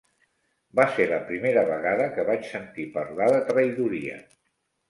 Va ser la primera vegada que vaig sentir parlar de traïdoria